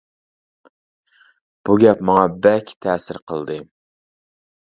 بۇ گەپ ماڭا بەك تەسىر قىلدى.